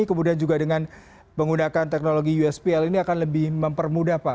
kemudian juga dengan menggunakan teknologi uspl ini akan lebih mempermudah pak